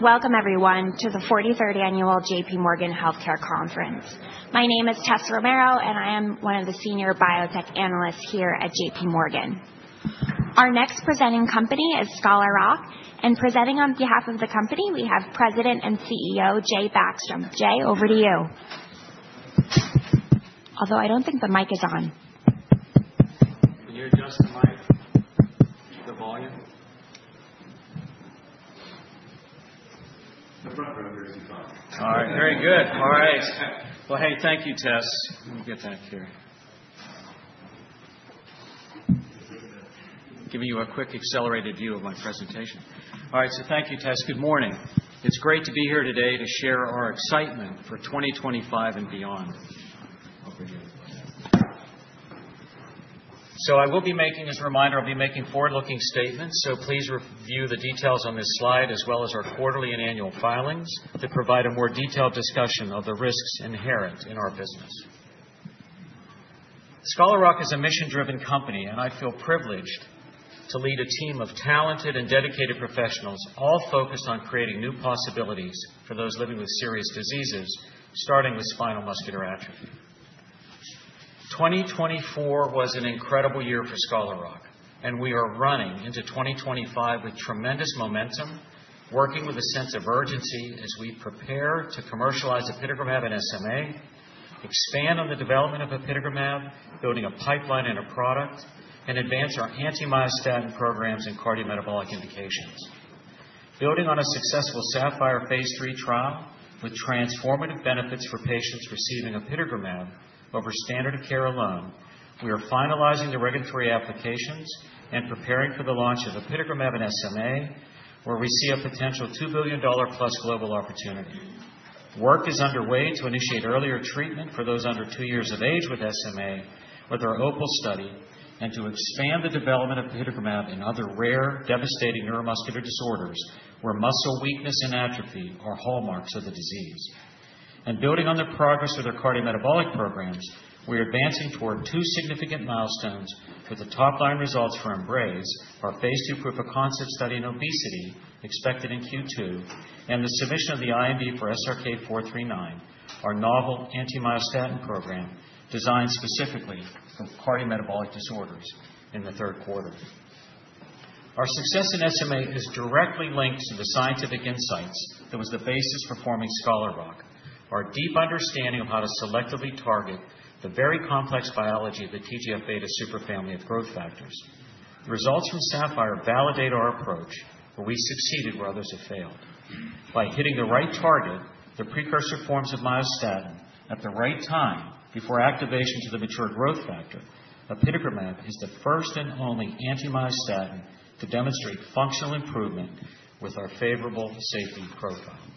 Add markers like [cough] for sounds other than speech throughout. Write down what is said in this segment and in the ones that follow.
Welcome, everyone, to the 43rd Annual JPMorgan Healthcare Conference. My name is Tessa Romero, and I am one of the senior biotech analysts here at JPMorgan. Our next presenting company is Scholar Rock, and presenting on behalf of the company, we have President and CEO Jay Backstrom. Jay, over to you. Although I don't think the mic is on. Can you adjust the mic? The volume? All right. Very good. All right. Well, hey, thank you, Tess. Let me get that here. Giving you a quick, accelerated view of my presentation. All right, so thank you, Tess. Good morning. It's great to be here today to share our excitement for 2025 and beyond. Over here. So I will be making, as a reminder, I'll be making forward-looking statements. So please review the details on this slide, as well as our quarterly and annual filings, that provide a more detailed discussion of the risks inherent in our business. Scholar Rock is a mission-driven company, and I feel privileged to lead a team of talented and dedicated professionals, all focused on creating new possibilities for those living with serious diseases, starting with spinal muscular atrophy. 2024 was an incredible year for Scholar Rock, and we are running into 2025 with tremendous momentum, working with a sense of urgency as we prepare to commercialize apitegromab in SMA, expand on the development of apitegromab, building a pipeline and a product, and advance our anti-myostatin programs in cardiometabolic indications. Building on a successful SAPPHIRE phase 3 trial with transformative benefits for patients receiving apitegromab over standard of care alone, we are finalizing the regulatory applications and preparing for the launch of apitegromab in SMA, where we see a potential $2 billion-plus global opportunity. Work is underway to initiate earlier treatment for those under two years of age with SMA with our OPAL study and to expand the development of apitegromab in other rare, devastating neuromuscular disorders where muscle weakness and atrophy are hallmarks of the disease. Building on the progress of their cardiometabolic programs, we are advancing toward two significant milestones for the top-line results for EMBRACE, our phase II proof-of-concept study in obesity expected in Q2, and the submission of the IND for SRK-439, our novel anti-myostatin program designed specifically for cardiometabolic disorders in the third quarter. Our success in SMA is directly linked to the scientific insights that was the basis for forming Scholar Rock, our deep understanding of how to selectively target the very complex biology of the TGF-β superfamily of growth factors. Results from SAPPHIRE validate our approach, where we succeeded where others have failed. By hitting the right target, the precursor forms of myostatin at the right time before activation to the mature growth factor, apitegromab is the first and only anti-myostatin to demonstrate functional improvement with our favorable safety profile.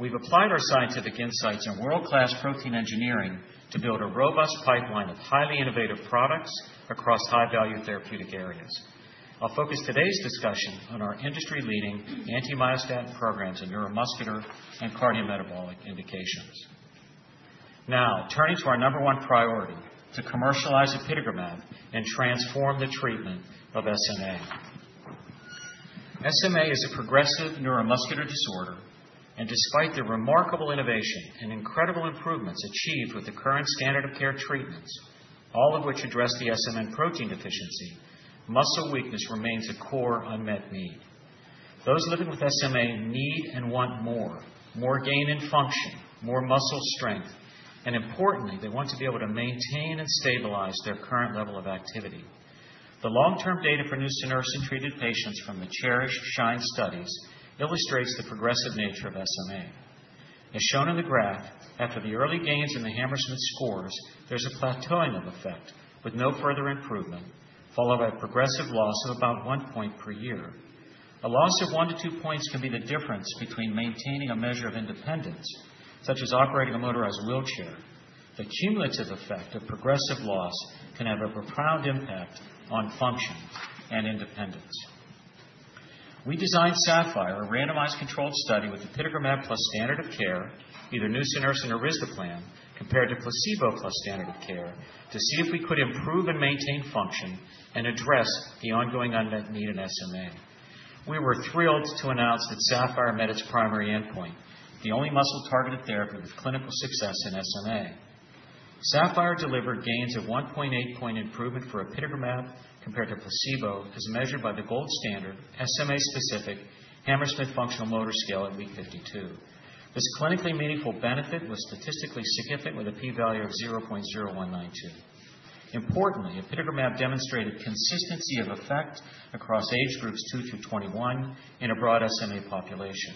We've applied our scientific insights and world-class protein engineering to build a robust pipeline of highly innovative products across high-value therapeutic areas. I'll focus today's discussion on our industry-leading anti-myostatin programs in neuromuscular and cardiometabolic indications. Now, turning to our number one priority to commercialize apitegromab and transform the treatment of SMA. SMA is a progressive neuromuscular disorder, and despite the remarkable innovation and incredible improvements achieved with the current standard of care treatments, all of which address the SMN protein deficiency, muscle weakness remains a core unmet need. Those living with SMA need and want more, more gain in function, more muscle strength, and importantly, they want to be able to maintain and stabilize their current level of activity. The long-term data for nusinersen treated patients from the CHERISH, SHINE studies illustrates the progressive nature of SMA. As shown in the graph, after the early gains in the Hammersmith scores, there's a plateauing of effect with no further improvement, followed by a progressive loss of about one point per year. A loss of one to two points can be the difference between maintaining a measure of independence, such as operating a motorized wheelchair. The cumulative effect of progressive loss can have a profound impact on function and independence. We designed SAPPHIRE, a randomized controlled study with apitegromab plus standard of care, either nusinersen or risdiplam, compared to placebo plus standard of care, to see if we could improve and maintain function and address the ongoing unmet need in SMA. We were thrilled to announce that SAPPHIRE met its primary endpoint, the only muscle-targeted therapy with clinical success in SMA. SAPPHIRE delivered gains of 1.8-point improvement for apitegromab compared to placebo, as measured by the gold standard, SMA-specific Hammersmith Functional Motor Scale at Week 52. This clinically meaningful benefit was statistically significant with a p-value of 0.0192. Importantly, apitegromab demonstrated consistency of effect across age groups 2 through 21 in a broad SMA population.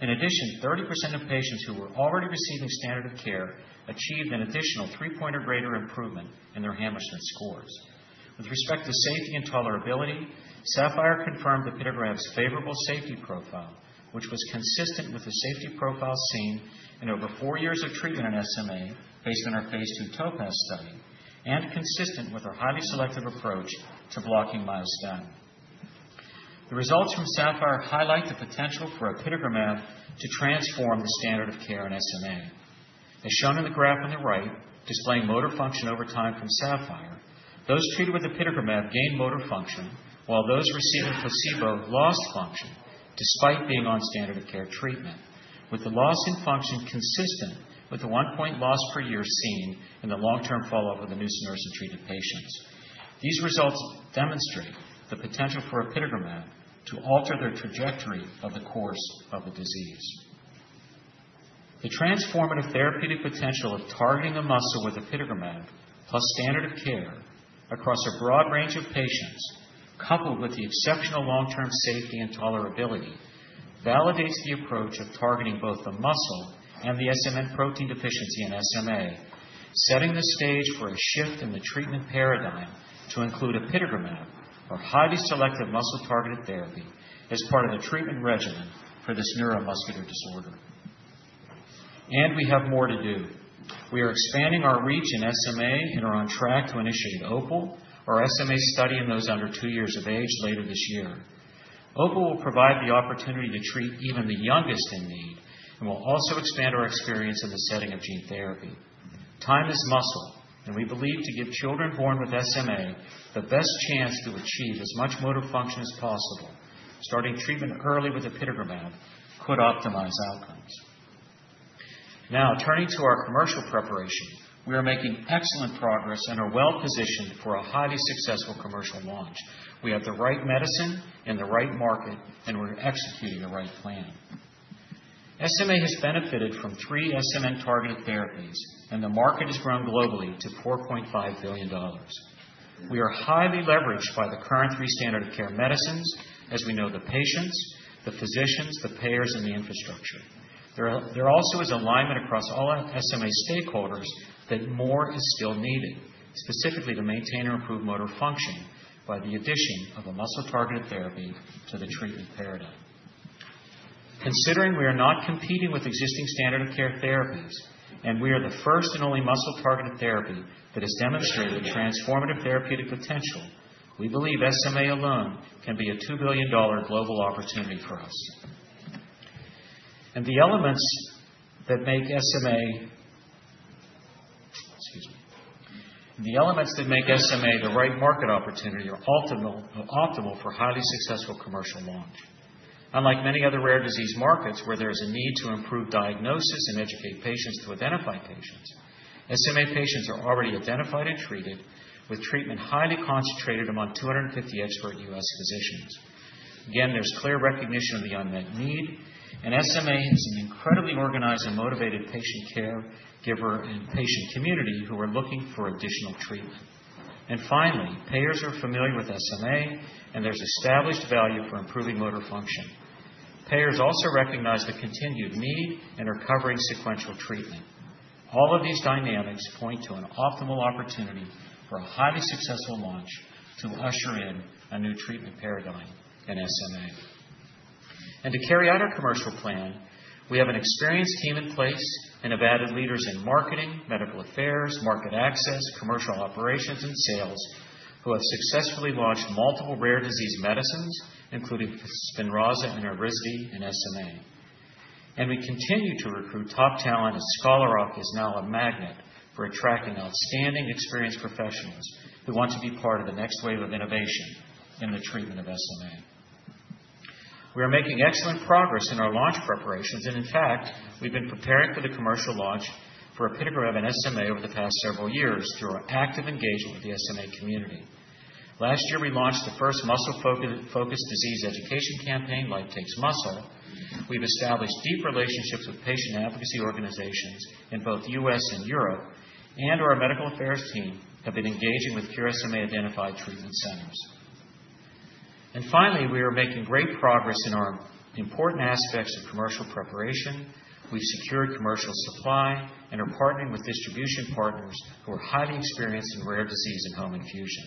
In addition, 30% of patients who were already receiving standard of care achieved an additional three-point or greater improvement in their Hammersmith scores. With respect to safety and tolerability, SAPPHIRE confirmed apitegromab's favorable safety profile, which was consistent with the safety profile seen in over four years of treatment in SMA based on our phase II TOPAZ study and consistent with our highly selective approach to blocking myostatin. The results from SAPPHIRE highlight the potential for apitegromab to transform the standard of care in SMA. As shown in the graph on the right, displaying motor function over time from SAPPHIRE, those treated with apitegromab gained motor function, while those receiving placebo lost function despite being on standard of care treatment, with the loss in function consistent with the one-point loss per year seen in the long-term follow-up of the nusinersen treated patients. These results demonstrate the potential for apitegromab to alter their trajectory of the course of the disease. The transformative therapeutic potential of targeting the muscle with apitegromab plus standard of care across a broad range of patients, coupled with the exceptional long-term safety and tolerability, validates the approach of targeting both the muscle and the SMN protein deficiency in SMA, setting the stage for a shift in the treatment paradigm to include apitegromab or highly selective muscle-targeted therapy as part of the treatment regimen for this neuromuscular disorder. We have more to do. We are expanding our reach in SMA and are on track to initiate OPAL, our SMA study in those under two years of age, later this year. OPAL will provide the opportunity to treat even the youngest in need and will also expand our experience in the setting of gene therapy. Time is muscle, and we believe to give children born with SMA the best chance to achieve as much motor function as possible, starting treatment early with apitegromab could optimize outcomes. Now, turning to our commercial preparation, we are making excellent progress and are well-positioned for a highly successful commercial launch. We have the right medicine in the right market, and we're executing the right plan. SMA has benefited from three SMN-targeted therapies, and the market has grown globally to $4.5 billion. We are highly leveraged by the current three standard of care medicines, as we know the patients, the physicians, the payers, and the infrastructure. There also is alignment across all SMA stakeholders that more is still needed, specifically to maintain or improve motor function by the addition of a muscle-targeted therapy to the treatment paradigm. Considering we are not competing with existing standard of care therapies, and we are the first and only muscle-targeted therapy that has demonstrated transformative therapeutic potential, we believe SMA alone can be a $2 billion global opportunity for us. And the elements that make SMA, excuse me. The elements that make SMA the right market opportunity are optimal for highly successful commercial launch. Unlike many other rare disease markets where there is a need to improve diagnosis and educate patients to identify patients, SMA patients are already identified and treated with treatment highly concentrated among 250 expert U.S. physicians. Again, there's clear recognition of the unmet need, and SMA is an incredibly organized and motivated patient caregiver and patient community who are looking for additional treatment, and finally, payers are familiar with SMA, and there's established value for improving motor function. Payers also recognize the continued need and are covering sequential treatment. All of these dynamics point to an optimal opportunity for a highly successful launch to usher in a new treatment paradigm in SMA. To carry out our commercial plan, we have an experienced team in place and have added leaders in marketing, medical affairs, market access, commercial operations, and sales who have successfully launched multiple rare disease medicines, including Spinraza and Evrysdi in SMA. We continue to recruit top talent, as Scholar Rock is now a magnet for attracting outstanding, experienced professionals who want to be part of the next wave of innovation in the treatment of SMA. We are making excellent progress in our launch preparations, and in fact, we've been preparing for the commercial launch for apitegromab and SMA over the past several years through our active engagement with the SMA community. Last year, we launched the first muscle-focused disease education campaign, Life Takes Muscle. We've established deep relationships with patient advocacy organizations in both the U.S. And Europe, and our medical affairs team have been engaging with QSMA-identified treatment centers. And finally, we are making great progress in our important aspects of commercial preparation. We've secured commercial supply and are partnering with distribution partners who are highly experienced in rare disease and home infusion.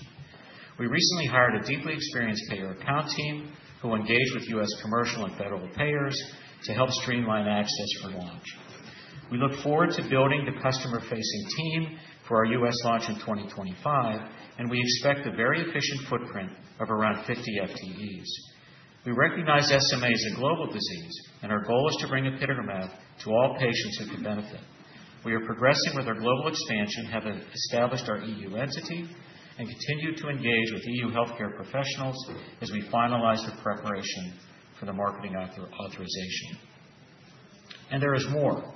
We recently hired a deeply experienced payer account team who engaged with U.S. commercial and federal payers to help streamline access for launch. We look forward to building the customer-facing team for our U.S. launch in 2025, and we expect a very efficient footprint of around 50 FTEs. We recognize SMA is a global disease, and our goal is to bring apitegromab to all patients who can benefit. We are progressing with our global expansion, have established our EU entity, and continue to engage with EU healthcare professionals as we finalize the preparation for the marketing authorization. And there is more.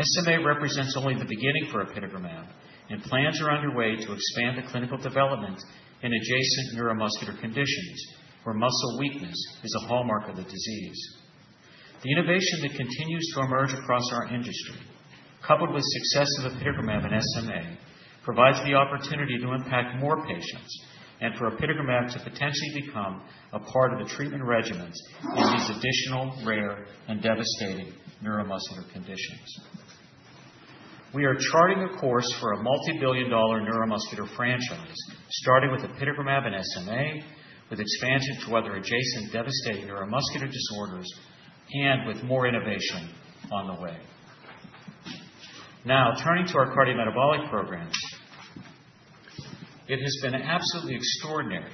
SMA represents only the beginning for apitegromab, and plans are underway to expand the clinical development in adjacent neuromuscular conditions where muscle weakness is a hallmark of the disease. The innovation that continues to emerge across our industry, coupled with success of apitegromab and SMA, provides the opportunity to impact more patients and for apitegromab to potentially become a part of the treatment regimens in these additional rare and devastating neuromuscular conditions. We are charting a course for a multi-billion-dollar neuromuscular franchise, starting with apitegromab and SMA, with expansion to other adjacent devastating neuromuscular disorders, and with more innovation on the way. Now, turning to our cardiometabolic programs, it has been absolutely extraordinary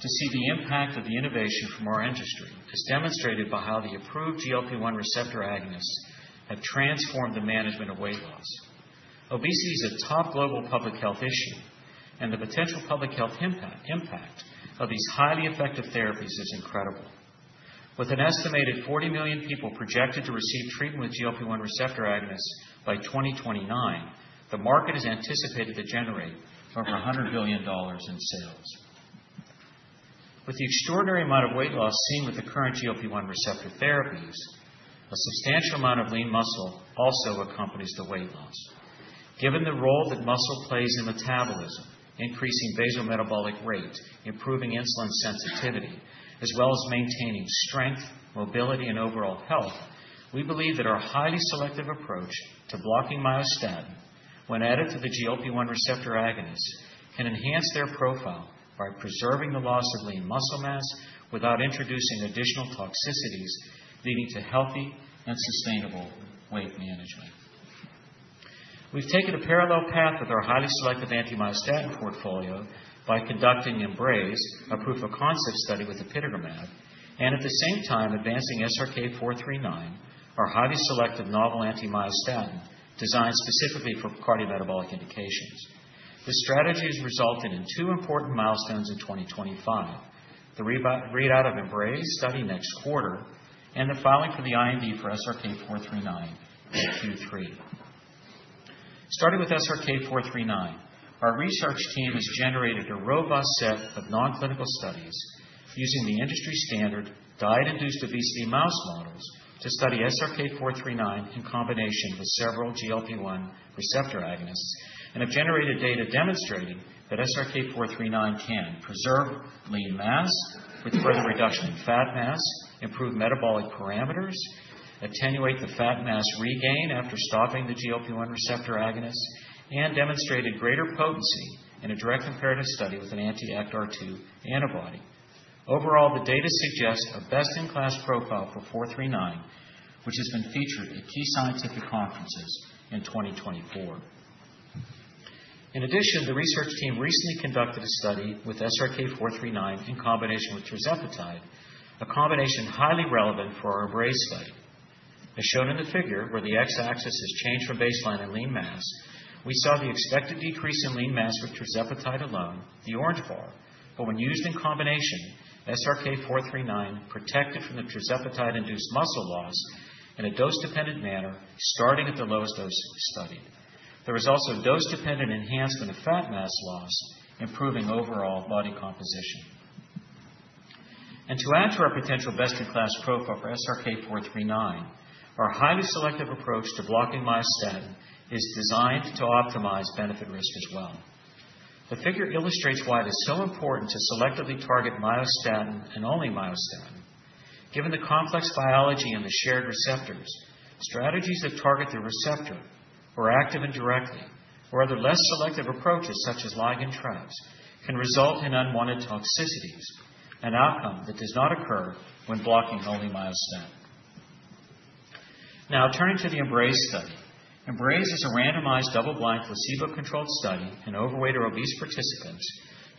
to see the impact of the innovation from our industry, as demonstrated by how the approved GLP-1 receptor agonists have transformed the management of weight loss. Obesity is a top global public health issue, and the potential public health impact of these highly effective therapies is incredible. With an estimated 40 million people projected to receive treatment with GLP-1 receptor agonists by 2029, the market is anticipated to generate over $100 billion in sales. With the extraordinary amount of weight loss seen with the current GLP-1 receptor therapies, a substantial amount of lean muscle also accompanies the weight loss. Given the role that muscle plays in metabolism, increasing basal metabolic rate, improving insulin sensitivity, as well as maintaining strength, mobility, and overall health, we believe that our highly selective approach to blocking myostatin, when added to the GLP-1 receptor agonists, can enhance their profile by preventing the loss of lean muscle mass without introducing additional toxicities, leading to healthy and sustainable weight management. We've taken a parallel path with our highly selective anti-myostatin portfolio by conducting EMBRACE, a proof of concept study with apitegromab, and at the same time advancing SRK-439, our highly selective novel anti-myostatin designed specifically for cardiometabolic indications. This strategy has resulted in two important milestones in 2025: the readout of EMBRACE study next quarter and the filing for the IND for SRK-439 Q3. Starting with SRK-439, our research team has generated a robust set of non-clinical studies using the industry standard diet-induced obesity mouse models to study SRK-439 in combination with several GLP-1 receptor agonists and have generated data demonstrating that SRK-439 can preserve lean mass with further reduction in fat mass, improve metabolic parameters, attenuate the fat mass regain after stopping the GLP-1 receptor agonist, and demonstrated greater potency in a direct comparative study with an anti-ActRII antibody. Overall, the data suggest a best-in-class profile for 439, which has been featured at key scientific conferences in 2024. In addition, the research team recently conducted a study with SRK-439 in combination with tirzepatide, a combination highly relevant for our EMBRACE study. As shown in the figure where the X-axis has changed from baseline and lean mass, we saw the expected decrease in lean mass with tirzepatide alone, the orange bar, but when used in combination, SRK-439 protected from the tirzepatide-induced muscle loss in a dose-dependent manner, starting at the lowest dose studied. There was also dose-dependent enhancement of fat mass loss, improving overall body composition. And to add to our potential best-in-class profile for SRK-439, our highly selective approach to blocking myostatin is designed to optimize benefit-risk as well. The figure illustrates why it is so important to selectively target myostatin and only myostatin. Given the complex biology and the shared receptors, strategies that target the receptor or activin directly, or other less selective approaches such as ligand traps, can result in unwanted toxicities, an outcome that does not occur when blocking only myostatin. Now, turning to the EMBRACE study, EMBRACE is a randomized double-blind placebo-controlled study in overweight or obese participants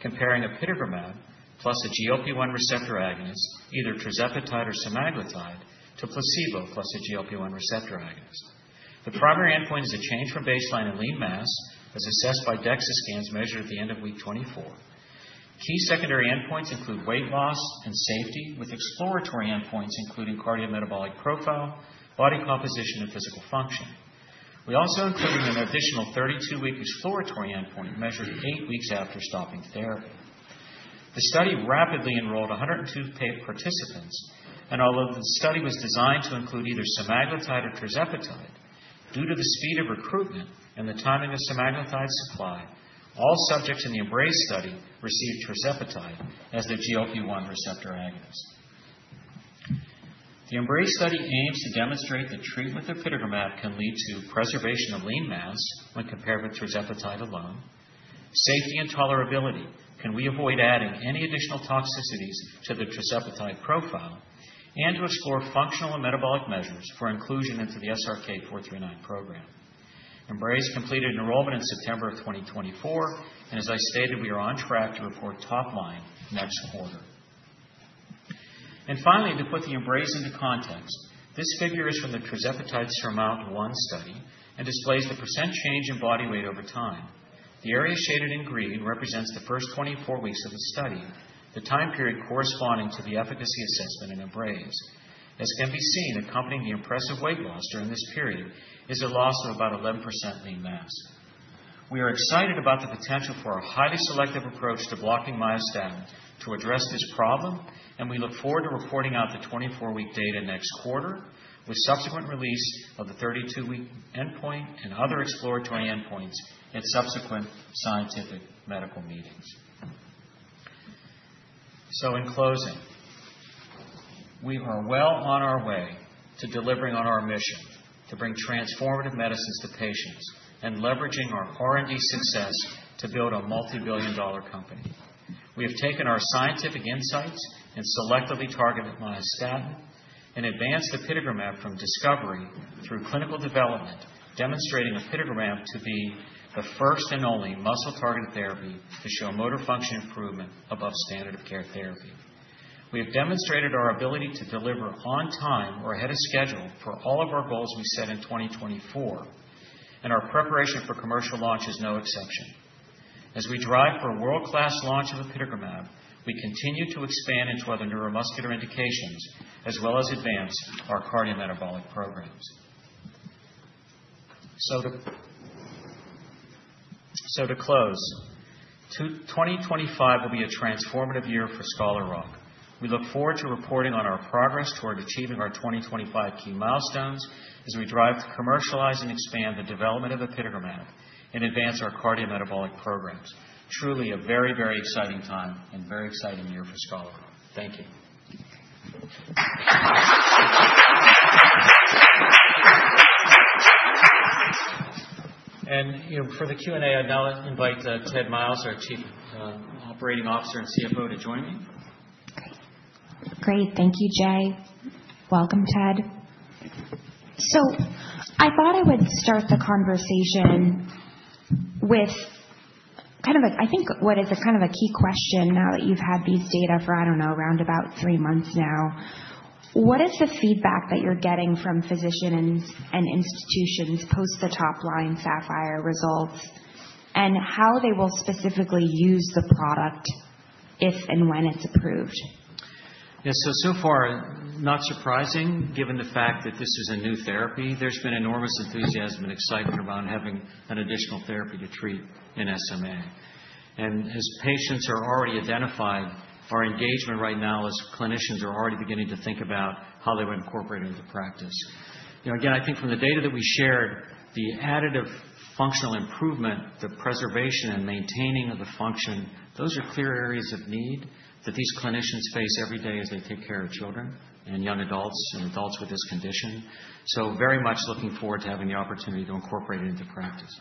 comparing apitegromab plus a GLP-1 receptor agonist, either tirzepatide or semaglutide, to placebo plus a GLP-1 receptor agonist. The primary endpoint is a change from baseline in lean mass, as assessed by DEXA scans measured at the end of week 24. Key secondary endpoints include weight loss and safety, with exploratory endpoints including cardiometabolic profile, body composition, and physical function. We also included an additional 32-week exploratory endpoint measured eight weeks after stopping therapy. The study rapidly enrolled 102 participants, and although the study was designed to include either semaglutide or tirzepatide, due to the speed of recruitment and the timing of semaglutide supply, all subjects in the EMBRACE study received tirzepatide as their GLP-1 receptor agonist. The EMBRACE study aims to demonstrate that treatment with apitegromab can lead to preservation of lean mass when compared with tirzepatide alone, safety and tolerability, can we avoid adding any additional toxicities to the tirzepatide profile, and to explore functional and metabolic measures for inclusion into the SRK-439 program. EMBRACE completed enrollment in September of 2024, and as I stated, we are on track to report top line next quarter. And finally, to put the EMBRACE into context, this figure is from the tirzepatide SURMOUNT-1 study and displays the % change in body weight over time. The area shaded in green represents the first 24 weeks of the study, the time period corresponding to the efficacy assessment in EMBRACE. As can be seen, accompanying the impressive weight loss during this period is a loss of about 11% lean mass. We are excited about the potential for a highly selective approach to blocking myostatin to address this problem, and we look forward to reporting out the 24-week data next quarter with subsequent release of the 32-week endpoint and other exploratory endpoints at subsequent scientific medical meetings. So in closing, we are well on our way to delivering on our mission to bring transformative medicines to patients and leveraging our R&D success to build a multi-billion-dollar company. We have taken our scientific insights and selectively targeted myostatin and advanced apitegromab from discovery through clinical development, demonstrating apitegromab to be the first and only muscle-targeted therapy to show motor function improvement above standard of care therapy. We have demonstrated our ability to deliver on time or ahead of schedule for all of our goals we set in 2024, and our preparation for commercial launch is no exception. As we drive for a world-class launch of apitegromab, we continue to expand into other neuromuscular indications as well as advance our cardiometabolic programs. So to close, 2025 will be a transformative year for Scholar Rock. We look forward to reporting on our progress toward achieving our 2025 key milestones as we drive to commercialize and expand the development of apitegromab and advance our cardiometabolic programs. Truly a very, very exciting time and very exciting year for Scholar Rock. Thank you. For the Q&A, I'd now invite Ted Myles, our Chief Operating Officer and CFO, to join me. Great. Thank you, Jay. Welcome, Ted. I thought I would start the conversation with kind of a, I think, what is a kind of a key question now that you've had these data for, I don't know, around about three months now. What is the feedback that you're getting from physicians and institutions post the top-line SAPPHIRE results and how they will specifically use the product if and when it's approved? Yeah, so far, not surprising given the fact that this is a new therapy. There's been enormous enthusiasm and excitement around having an additional therapy to treat in SMA. As patients are already identified, our engagement right now is clinicians are already beginning to think about how they would incorporate it into practice. Again, I think from the data that we shared, the additive functional improvement, the preservation and maintaining of the function, those are clear areas of need that these clinicians face every day as they take care of children and young adults and adults with this condition. So very much looking forward to having the opportunity to incorporate it into practice.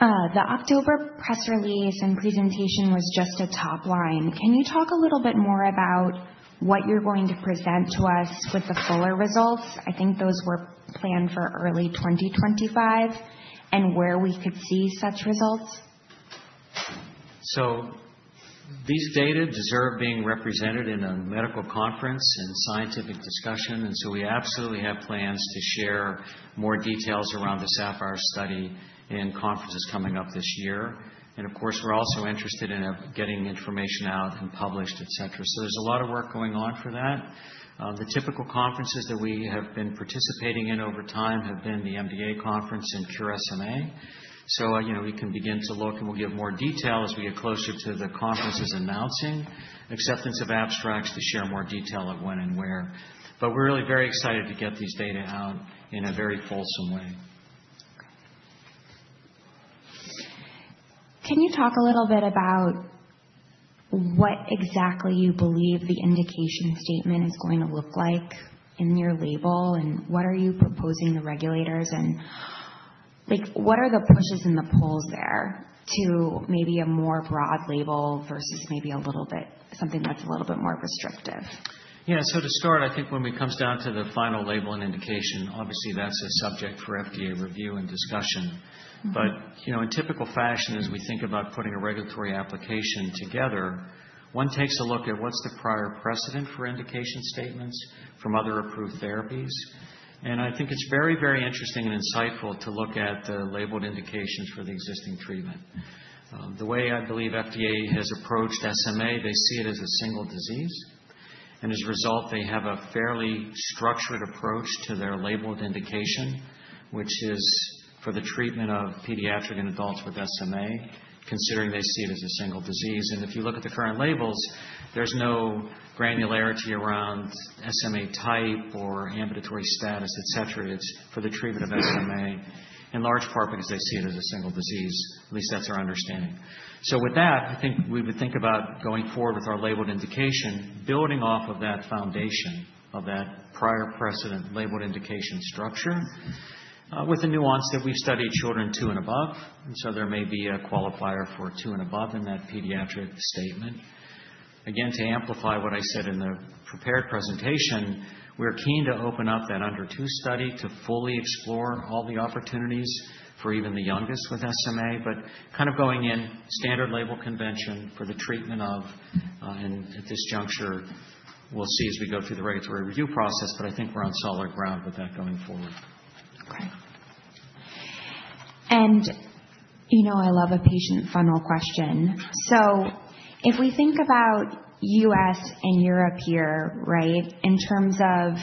The October press release and presentation was just a top line. Can you talk a little bit more about what you're going to present to us with the fuller results? I think those were planned for early 2025 and where we could see such results. So these data deserve being represented in a medical conference and scientific discussion, and so we absolutely have plans to share more details around the SAPPHIRE study in conferences coming up this year. And of course, we're also interested in getting information out and published, etc. So there's a lot of work going on for that. The typical conferences that we have been participating in over time have been the MDA Conference and QSMA. So we can begin to look and we'll give more detail as we get closer to the conferences announcing acceptance of abstracts to share more detail of when and where. But we're really very excited to get these data out in a very fulsome way. Can you talk a little bit about what exactly you believe the indication statement is going to look like in your label and what are you proposing the regulators and what are the pushes and pulls there to maybe a more broad label versus maybe a little bit something that's a little bit more restrictive? Yeah, so to start, I think when it comes down to the final label and indication, obviously that's a subject for FDA review and discussion. In typical fashion, as we think about putting a regulatory application together, one takes a look at what's the prior precedent for indication statements from other approved therapies. I think it's very, very interesting and insightful to look at the labeled indications for the existing treatment. The way I believe FDA has approached SMA, they see it as a single disease. As a result, they have a fairly structured approach to their labeled indication, which is for the treatment of pediatric and adults with SMA, considering they see it as a single disease. If you look at the current labels, there's no granularity around SMA type or ambulatory status, etc. It's for the treatment of SMA in large part because they see it as a single disease. At least that's our understanding. So with that, I think we would think about going forward with our labeled indication, building off of that foundation of that prior precedent labeled indication structure with the nuance that we've studied children two and above. And so there may be a qualifier for two and above in that pediatric statement. Again, to amplify what I said in the prepared presentation, we're keen to open up that under two study to fully explore all the opportunities for even the youngest with SMA, but kind of going in standard label convention for the treatment of. And at this juncture, we'll see as we go through the regulatory review process, but I think we're on solid ground with that going forward. Okay. And I love a patient funnel question. So if we think about U.S. and Europe here, right, in terms of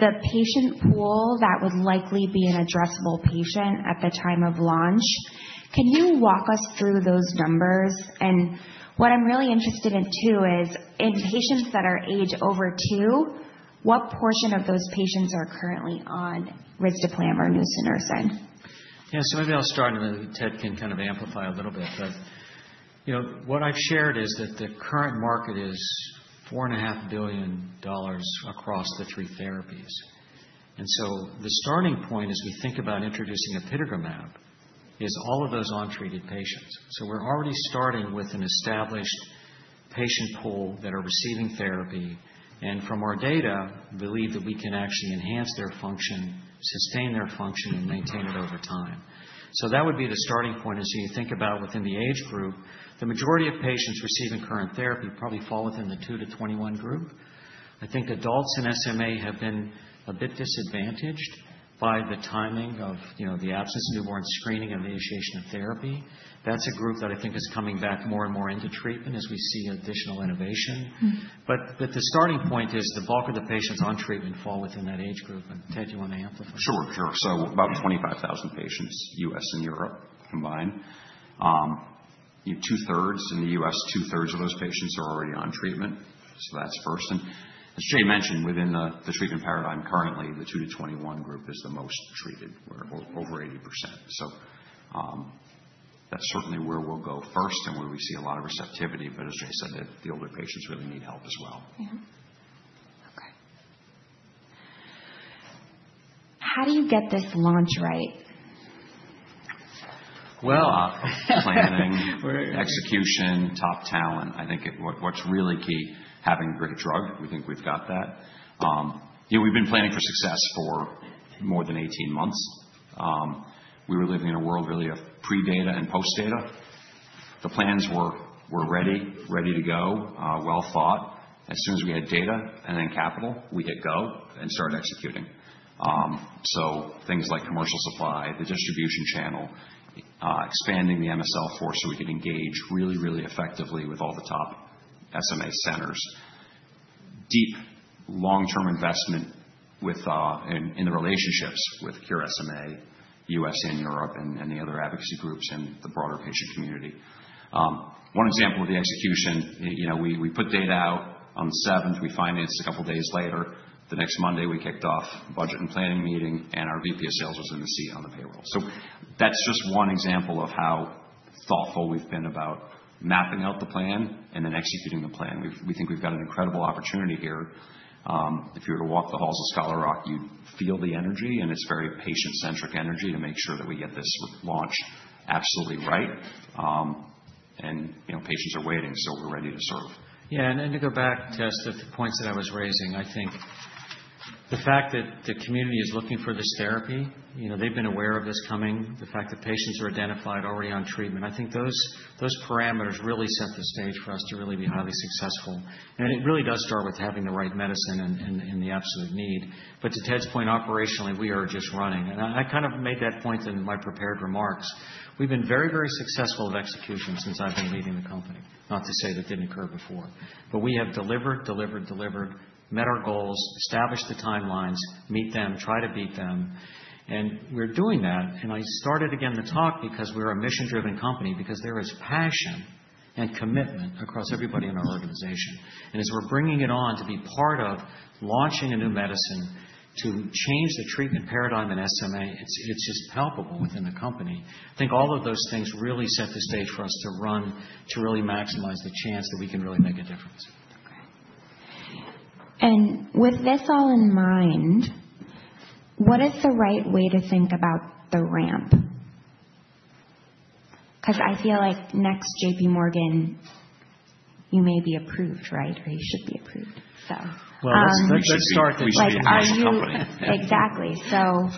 the patient pool that would likely be an addressable patient at the time of launch, can you walk us through those numbers? And what I'm really interested in too is in patients that are age over two, what portion of those patients are currently on risdiplam or nusinersen? Yeah, so maybe I'll start and then Ted can kind of amplify a little bit. But what I've shared is that the current market is $4.5 billion across the three therapies. And so the starting point as we think about introducing apitegromab is all of those untreated patients. So we're already starting with an established patient pool that are receiving therapy. And from our data, we believe that we can actually enhance their function, sustain their function, and maintain it over time. So that would be the starting point. As you think about within the age group, the majority of patients receiving current therapy probably fall within the 2 to 21 group. I think adults in SMA have been a bit disadvantaged by the timing of the absence of newborn screening and the initiation of therapy. That's a group that I think is coming back more and more into treatment as we see additional innovation, but the starting point is the bulk of the patients on treatment fall within that age group, and Ted, do you want to amplify? Sure, sure, so about 25,000 patients, U.S. and Europe combined. Two-thirds in the U.S., two-thirds of those patients are already on treatment. So that's first, and as Jay mentioned, within the treatment paradigm currently, the 2 to 21 group is the most treated, over 80%, so that's certainly where we'll go first and where we see a lot of receptivity. But as Jay said, the older patients really need help as well. Yeah. Okay. How do you get this launch right? Well, planning, execution, top talent. I think what's really key, having a great drug. We think we've got that. We've been planning for success for more than 18 months. We were living in a world really of pre-data and post-data. The plans were ready, ready to go, well thought. As soon as we had data and then capital, we hit go and started executing. So things like commercial supply, the distribution channel, expanding the MSL force so we could engage really, really effectively with all the top SMA centers. Deep long-term investment in the relationships with Cure SMA, U.S. and Europe, and the other advocacy groups and the broader patient community. One example of the execution, we put data out on the 7th. We financed a couple of days later. The next Monday, we kicked off budget and planning meeting, and our VP of sales was in the seat on the payroll. So that's just one example of how thoughtful we've been about mapping out the plan and then executing the plan. We think we've got an incredible opportunity here. If you were to walk the halls of Scholar Rock, you'd feel the energy, and it's very patient-centric energy to make sure that we get this launch absolutely right, and patients are waiting, so we're ready to serve. Yeah, and to go back to some of the points that I was raising, I think the fact that the community is looking for this therapy, they've been aware of this coming, the fact that patients are identified already on treatment, I think those parameters really set the stage for us to really be highly successful. It really does start with having the right medicine and the absolute need. To Ted's point, operationally, we are just running. I kind of made that point in my prepared remarks. We've been very, very successful with execution since I've been leading the company. Not to say that didn't occur before. We have delivered, delivered, delivered, met our goals, established the timelines, meet them, try to beat them. We're doing that. I started again the talk because we're a mission-driven company, because there is passion and commitment across everybody in our organization. As we're bringing it on to be part of launching a new medicine to change the treatment paradigm in SMA, it's just palpable within the company. I think all of those things really set the stage for us to run to really maximize the chance that we can really make a difference. Okay. And with this all in mind, what is the right way to think about the ramp? Because I feel like next JPMorgan, you may be approved, right? Or you should be approved, so. Well, [crosstalk] let's start the shaking up. Exactly. So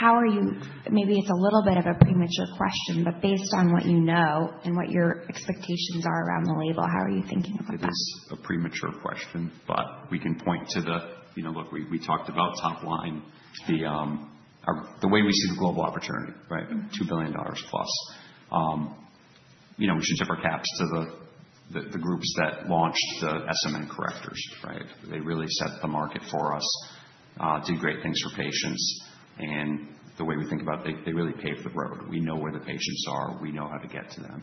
how are you? Maybe it's a little bit of a premature question, but based on what you know and what your expectations are around the label, how are you thinking about that? It is a premature question, but we can point to the, look, we talked about top line, the way we see the global opportunity, right? $2 billion plus. We should tip our hats to the groups that launched the SMN correctors, right? They really set the market for us, did great things for patients, and the way we think about it, they really paved the road. We know where the patients are. We know how to get to them.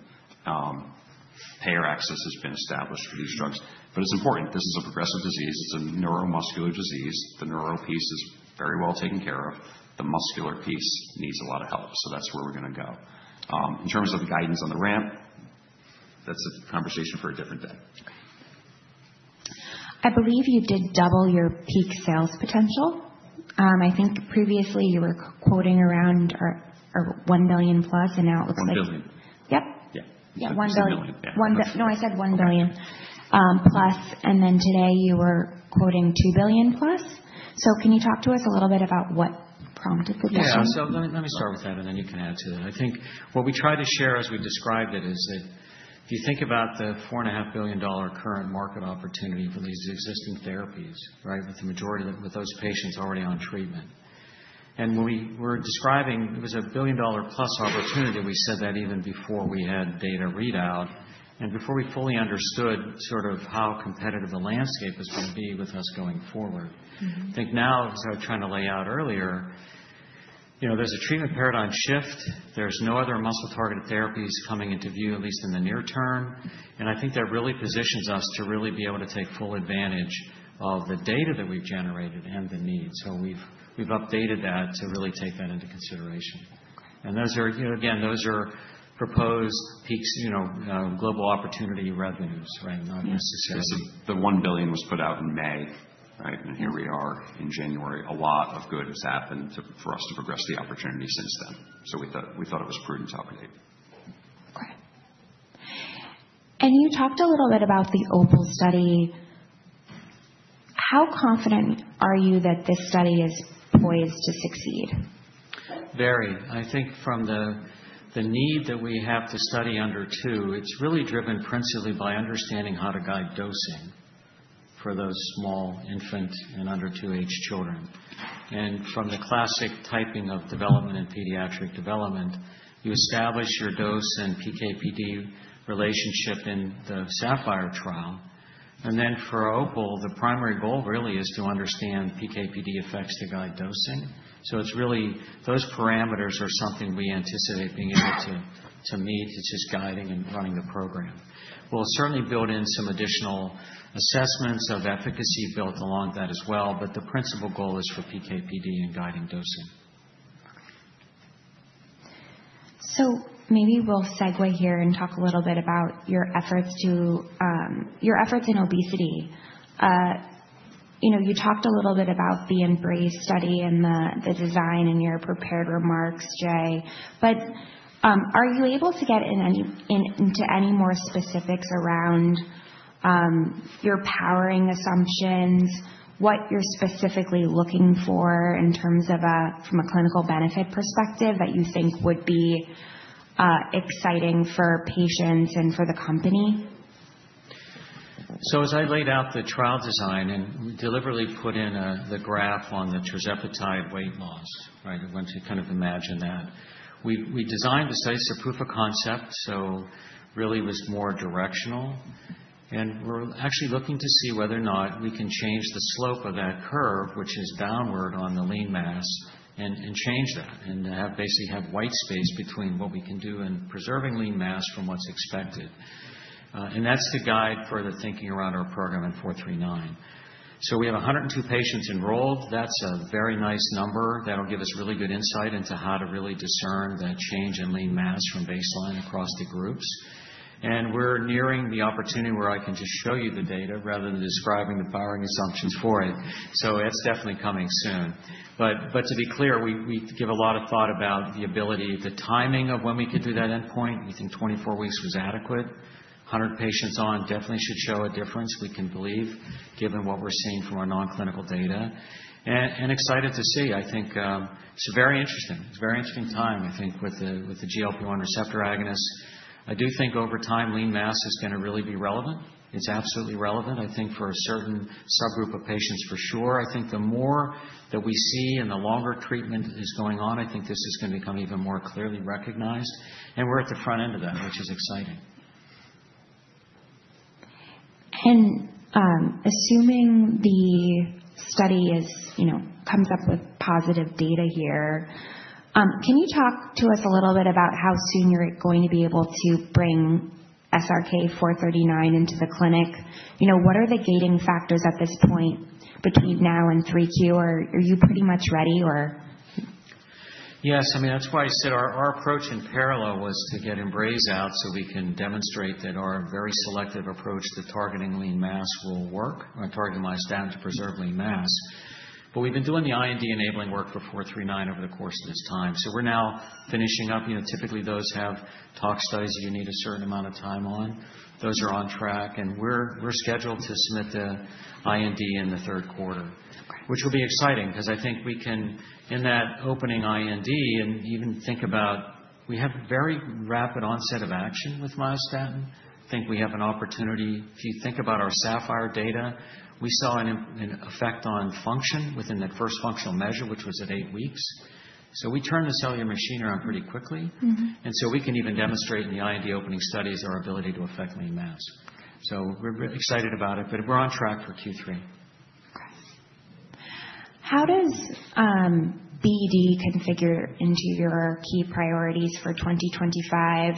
Payer access has been established for these drugs, but it's important. This is a progressive disease. It's a neuromuscular disease. The neuro piece is very well taken care of. The muscular piece needs a lot of help, so that's where we're going to go. In terms of the guidance on the ramp, that's a conversation for a different day. I believe you did double your peak sales potential. I think previously you were quoting around $1 billion plus, and now it looks like $1 billion. Yeah. [crosstalk] Yeah. $1 billion. No, I said $1 billion plus, and then today you were quoting $2 billion plus. So can you talk to us a little bit about what prompted the decision? Yeah, so let me start with that, and then you can add to that. I think what we tried to share as we described it is that if you think about the $4.5 billion current market opportunity for these existing therapies, right, with the majority of those patients already on treatment. And when we were describing it was a billion-dollar-plus opportunity, we said that even before we had data readout and before we fully understood sort of how competitive the landscape was going to be with us going forward. I think now, as I was trying to lay out earlier, there's a treatment paradigm shift. There's no other muscle-targeted therapies coming into view, at least in the near term. I think that really positions us to really be able to take full advantage of the data that we've generated and the need. We've updated that to really take that into consideration. Again, those are proposed peak global opportunity revenues, right? Not necessarily. The $1 billion was put out in May, right? Here we are in January. A lot of good has happened for us to progress the opportunity since then. We thought it was prudent to update. Okay. You talked a little bit about the OPAL study. How confident are you that this study is poised to succeed? Very. I think from the need that we have to study under two, it's really driven principally by understanding how to guide dosing for those small infant and under two-age children. From the classic typing of development and pediatric development, you establish your dose and PK/PD relationship in the SAPPHIRE trial. Then for OPAL, the primary goal really is to understand PK/PD effects to guide dosing. Those parameters are something we anticipate being able to meet to just guiding and running the program. We'll certainly build in some additional assessments of efficacy built along that as well. But the principal goal is for PK/PD and guiding dosing. Okay. Maybe we'll segue here and talk a little bit about your efforts in obesity. You talked a little bit about the EMBRACE study and the design in your prepared remarks, Jay. But are you able to get into any more specifics around your powering assumptions, what you're specifically looking for in terms of from a clinical benefit perspective that you think would be exciting for patients and for the company? So as I laid out the trial design and deliberately put in the graph on the tirzepatide weight loss, right? I want to kind of imagine that. We designed the study as a proof of concept, so really was more directional. And we're actually looking to see whether or not we can change the slope of that curve, which is downward on the lean mass, and change that and basically have white space between what we can do in preserving lean mass from what's expected. And that's to guide further thinking around our program in 439. So we have 102 patients enrolled. That's a very nice number. That'll give us really good insight into how to really discern the change in lean mass from baseline across the groups. And we're nearing the opportunity where I can just show you the data rather than describing the powering assumptions for it. So that's definitely coming soon. But to be clear, we give a lot of thought about the ability, the timing of when we could do that endpoint. We think 24 weeks was adequate. 100 patients on definitely should show a difference we can believe, given what we're seeing from our non-clinical data. And excited to see. I think it's very interesting. It's a very interesting time, I think, with the GLP-1 receptor agonist. I do think over time, lean mass is going to really be relevant. It's absolutely relevant, I think, for a certain subgroup of patients for sure. I think the more that we see and the longer treatment is going on, I think this is going to become even more clearly recognized. And we're at the front end of that, which is exciting. And assuming the study comes up with positive data here, can you talk to us a little bit about how soon you're going to be able to bring SRK-439 into the clinic? What are the gating factors at this point between now and 3Q? Are you pretty much ready or? Yes. I mean, that's why I said our approach in parallel was to get EMBRACE out so we can demonstrate that our very selective approach to targeting lean mass will work or targeting lean mass down to preserve lean mass. But we've been doing the IND enabling work for 439 over the course of this time. So we're now finishing up. Typically, those have tox studies you need a certain amount of time on. Those are on track, and we're scheduled to submit the IND in the third quarter, which will be exciting because I think we can, in that opening IND, and even think about we have very rapid onset of action with myostatin. I think we have an opportunity. If you think about our SAPPHIRE data, we saw an effect on function within that first functional measure, which was at eight weeks. So we turned the cellular machine around pretty quickly, and so we can even demonstrate in the IND opening studies our ability to affect lean mass. So we're excited about it, but we're on track for Q3. Okay. How does BD configure into your key priorities for 2025?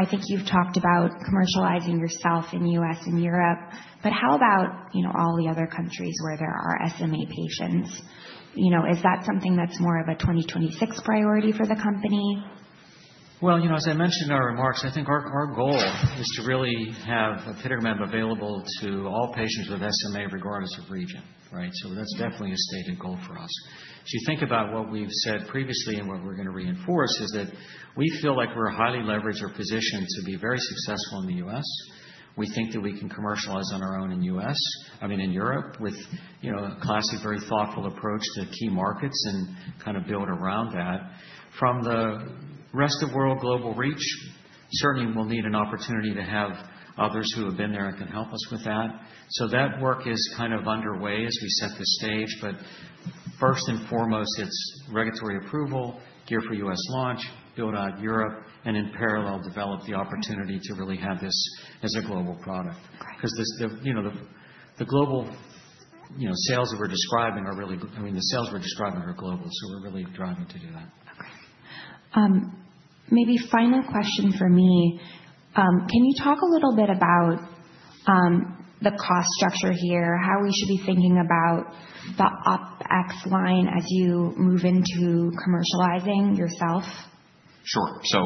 I think you've talked about commercializing yourself in the U.S. and Europe, but how about all the other countries where there are SMA patients? Is that something that's more of a 2026 priority for the company? Well, as I mentioned in our remarks, I think our goal is to really have an apitegromab available to all patients with SMA regardless of region, right? So that's definitely a stated goal for us. If you think about what we've said previously and what we're going to reinforce is that we feel like we're highly leveraged or positioned to be very successful in the U.S. We think that we can commercialize on our own in the U.S., I mean, in Europe with a classic, very thoughtful approach to key markets and kind of build around that. From the rest of world global reach, certainly we'll need an opportunity to have others who have been there and can help us with that. So that work is kind of underway as we set the stage. But first and foremost, it's regulatory approval, gear up for U.S. launch, build out Europe, and in parallel, develop the opportunity to really have this as a global product. Because the global sales that we're describing are really I mean, the sales we're describing are global, so we're really driving to do that. Okay. Maybe final question for me. Can you talk a little bit about the cost structure here, how we should be thinking about the OpEx line as you move into commercializing yourself? Sure. So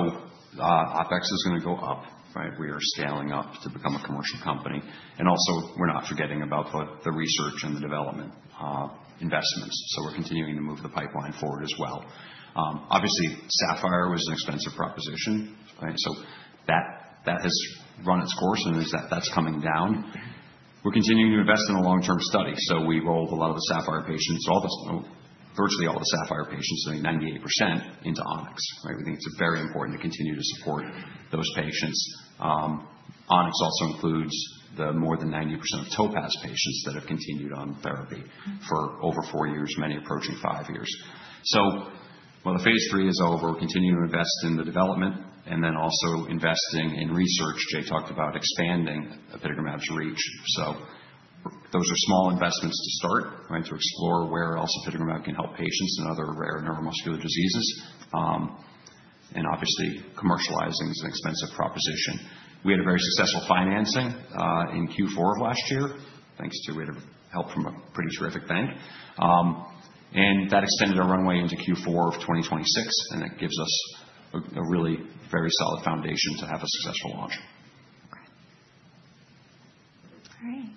OpEx is going to go up, right? We are scaling up to become a commercial company. We're not forgetting about the research and the development investments. We're continuing to move the pipeline forward as well. Obviously, SAPPHIRE was an expensive proposition, right? That has run its course, and that's coming down. We're continuing to invest in a long-term study. We rolled a lot of the SAPPHIRE patients, virtually all the SAPPHIRE patients, 98% into ONYX, right? We think it's very important to continue to support those patients. ONYX also includes the more than 90% of TOPAZ patients that have continued on therapy for over four years, many approaching five years. While the phase three is over, we're continuing to invest in the development and then also investing in research. Jay talked about expanding apitegromab's reach. Those are small investments to start, right, to explore where else apitegromab can help patients and other rare neuromuscular diseases. Obviously, commercializing is an expensive proposition. We had a very successful financing in Q4 of last year, thanks to, we had help from a pretty terrific bank. That extended our runway into Q4 of 2026, and that gives us a really very solid foundation to have a successful launch. All right.